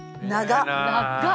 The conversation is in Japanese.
長っ。